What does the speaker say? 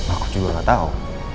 aku juga gak tau